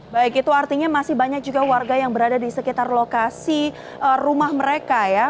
baik itu artinya masih banyak juga warga yang berada di sekitar lokasi rumah mereka ya